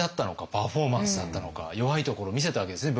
パフォーマンスだったのか弱いところ見せたわけですね